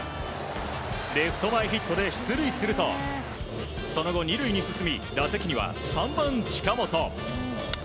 レフト前ヒットで出塁するとその後、２塁に進み打席には３番、近本。